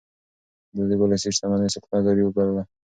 ده د ولسي شتمنيو ساتنه ضروري بلله.